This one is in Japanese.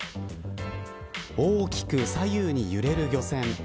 大きく左右に揺れる漁船。